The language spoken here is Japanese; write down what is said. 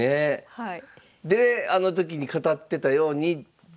はい。